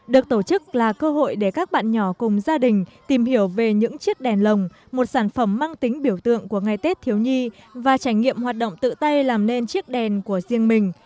được tổ chức là cơ hội để các bạn nhỏ cùng gia đình tìm hiểu về những chiếc đèn lồng một sản phẩm mang tính biểu tượng của ngày tết thiếu nhi và trải nghiệm hoạt động tự tay làm nên chiếc đèn của riêng mình